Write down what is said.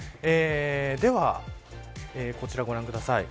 では、こちらご覧ください。